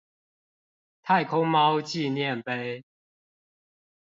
太空貓紀念碑